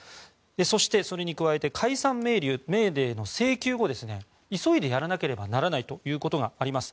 そして、それに加えて解散命令の請求後急いでやらなければならないということがあります。